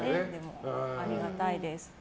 ありがたいです。